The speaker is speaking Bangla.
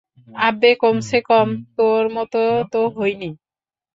আব্বে, কমছে কম তোর মতো তো হই নি!